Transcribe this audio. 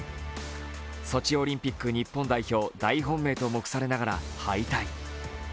ソチオリンピック日本代表大本命と目されながら敗退。